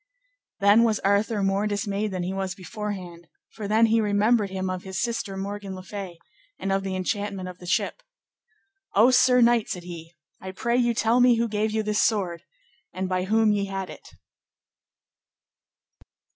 Then was Arthur more dismayed than he was beforehand; for then he remembered him of his sister Morgan le Fay, and of the enchantment of the ship. O sir knight, said he, I pray you tell me who gave you this sword, and by whom ye had it.